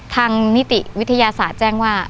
นิติวิทยาศาสตร์แจ้งว่า